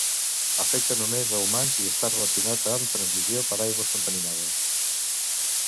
Afecta només a humans i està relacionat amb transmissió per aigües contaminades.